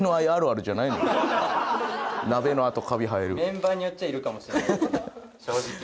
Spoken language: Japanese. メンバーによっちゃいるかもしれないです正直。